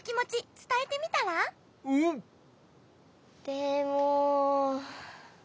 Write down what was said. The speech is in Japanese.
でも。